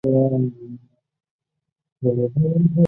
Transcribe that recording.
瓦龙格。